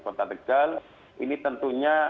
kota tegal ini tentunya